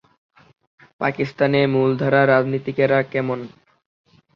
পাকিস্তানে মূলধারার রাজনীতিকেরা কেমন?